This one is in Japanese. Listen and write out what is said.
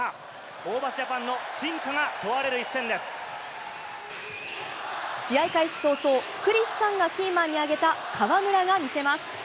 ホーバスジャパンの真価が問われ試合開始早々、クリスさんがキーマンに挙げた河村が見せます。